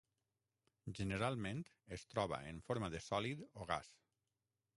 Generalment es troba en forma de sòlid o gas.